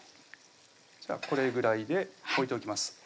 これぐらいで置いておきます